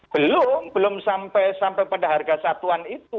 belum belum sampai pada harga satuan itu